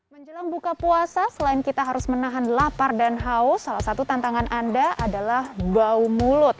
menjelang buka puasa selain kita harus menahan lapar dan haus salah satu tantangan anda adalah bau mulut